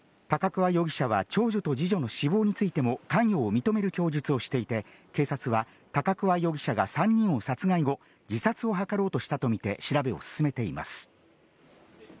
高桑容疑者は長女と二女の死亡についても関与を認める供述をしていて、警察は高桑容疑者が３人を殺害後、自殺を図ろうとしたとみて調べを進めています。